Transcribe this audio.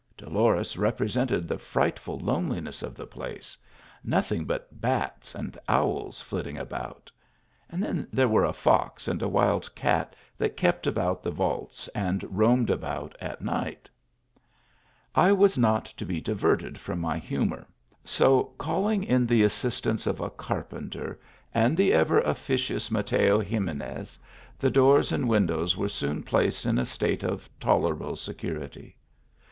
Dolores rep resented the frightful loneliness of the place ; nothing but bats and owls flitting about ; then there were a fox and a wild cat that kept about the vaults and roamed about at night. I was not to be diverted from my humour, so call ing in the assistance of a carpenter, and the ever ofticious Mateo Ximenes, the doors and windows were soon placed in a state of tolerable security.